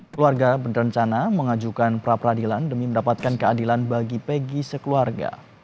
keluarga berencana mengajukan pra peradilan demi mendapatkan keadilan bagi pegi sekeluarga